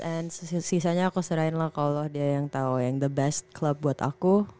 and sisanya aku serahin lah kalau dia yang tahu yang the best club buat aku